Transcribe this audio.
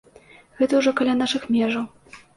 Гэта ўжо каля нашых межаў.